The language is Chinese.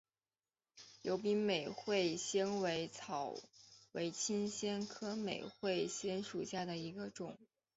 疣柄美喙藓为青藓科美喙藓属下的一个种。